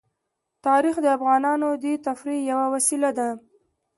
تاریخ د افغانانو د تفریح یوه وسیله ده.